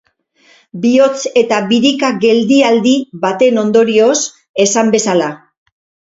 Bihotz eta birika-geldialdi baten ondorioz, esan bezala.